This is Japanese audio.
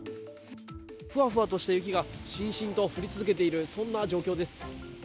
ふわふわとした雪がしんしんと降り続けているそんな状況です。